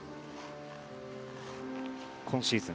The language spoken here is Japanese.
今シーズン